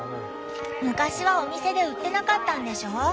昔はお店で売ってなかったんでしょ？